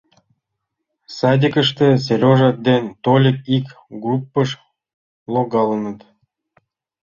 Садикыште Серёжа ден Толик ик группыш логалыныт.